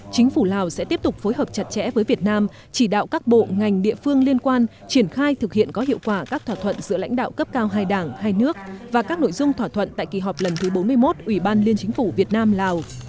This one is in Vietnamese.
chính phủ lào sẽ tiếp tục phối hợp chặt chẽ với việt nam chỉ đạo các bộ ngành địa phương liên quan triển khai thực hiện có hiệu quả các thỏa thuận giữa lãnh đạo cấp cao hai đảng hai nước và các nội dung thỏa thuận tại kỳ họp lần thứ bốn mươi một ủy ban liên chính phủ việt nam lào